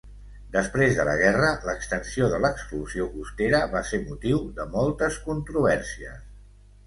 Després de la guerra, l'extensió de l'exclusió costera va ser motiu de moltes controvèrsies.